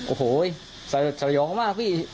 โอ้โหสยองมากพี่